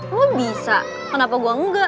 gue bisa kenapa gue enggak